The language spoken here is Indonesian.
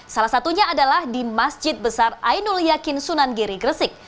salah satunya adalah di masjid besar ainul yakin sunan giri gresik